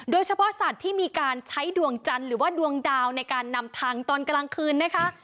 สัตว์ที่มีการใช้ดวงจันทร์หรือว่าดวงดาวในการนำทางตอนกลางคืนนะคะ